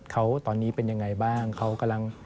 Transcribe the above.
เขาตอนนี้เป็นยังไงบ้างเขากำลัง